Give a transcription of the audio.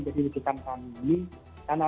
dihidupkan kami karena